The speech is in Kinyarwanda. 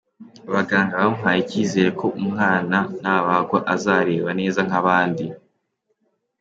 Abaganga bamuhaye icyizere ko umwana nabagwa azareba neza nk’abandi.